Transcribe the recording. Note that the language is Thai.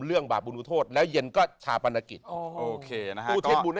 เรียนเชอเลยครับ